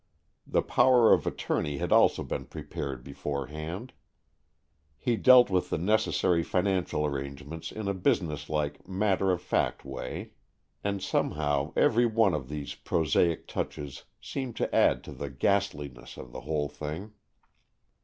The power of attorney had also been prepared beforehand. He dealt with the necessary financial arrange ments in a businesslike matter of fact way. 188 AN EXCHANGE OF SOULS And somehow every one of these prosaic touches seemed to add to the ghastliness of the whole thing.